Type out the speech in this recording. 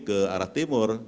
ke arah timur